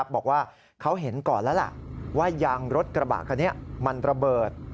บอกว่าเขาเห็นก่อนแล้วล่ะว่ายางรถกระบะคันนี้มันระเบิด